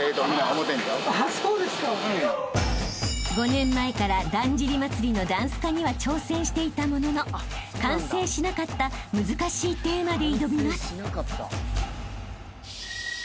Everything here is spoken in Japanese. ［５年前からだんじり祭のダンス化には挑戦していたものの完成しなかった難しいテーマで挑みます］